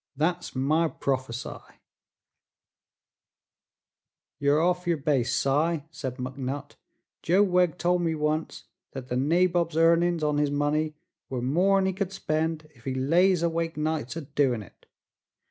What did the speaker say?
Thet's my prophe sigh." "Yer off yer base, Si," said McNutt "Joe Wegg tol' me once thet the nabob's earnin's on his money were more'n he could spend ef he lays awake nights a doin' it.